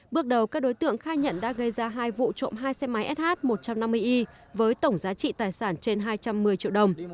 bước đầu các đối tượng khai nhận đã gây ra hai vụ trộm hai xe máy sh một trăm năm mươi y với tổng giá trị tài sản trên hai trăm một mươi triệu đồng